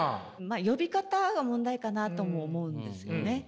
呼び方が問題かなとも思うんですよね。